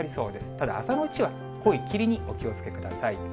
ただ、朝のうちは濃い霧にお気をつけください。